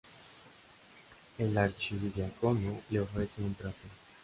El archidiácono le ofrece un trato.